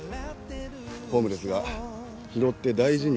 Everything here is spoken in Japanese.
ホームレスが拾って大事に飾ってましたよ。